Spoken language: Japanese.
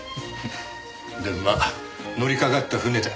でもまあ乗りかかった船だ。